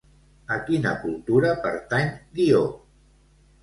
A quina cultura pertany Dió?